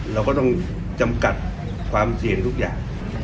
เราก็ต้องจำกัดความเสี่ยงทุกอย่าง